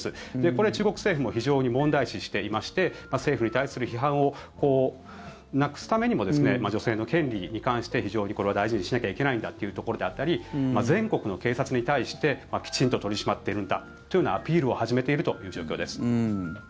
これは中国政府も非常に問題視していまして政府に対する批判をなくすためにも女性の権利に関して非常にこれは大事にしなきゃいけないんだというところであったり全国の警察に対してきちんと取り締まっているんだというようなアピールを始めているという状況です。